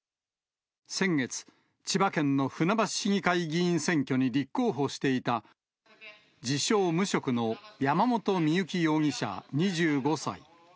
先月、千葉県の船橋市議会議員選挙に立候補していた、自称無職の山本深雪容疑者２５歳。